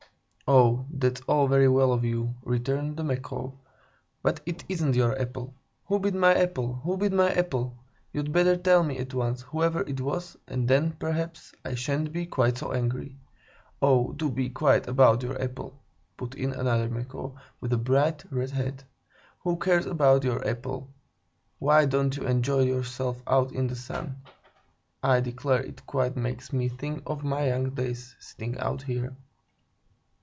"Oh, that's all very well for you," returned the Macaw, "but it isn't your apple. Who bit my apple? Who bit my apple? You'd better tell me, at once, whoever it was, and then, perhaps, I shan't be quite so angry." "Oh, do be quiet about your apple," put in another Macaw, with a bright, red head. "Who cares about your apple? Why don't you enjoy yourself out in the sun? I declare it quite makes me think of my young days, sitting out here."